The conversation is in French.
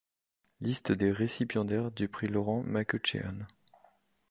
Liste des récipiendaires du prix Laurent-McCutcheon.